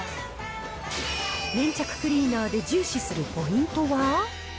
粘着クリーナーで重視するポイントは？